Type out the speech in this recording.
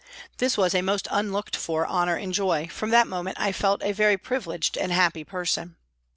This was a most unlooked for honour and joy, from that moment I felt a very privileged and happy person.